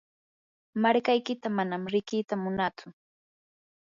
markaykita manam riqita munatsu.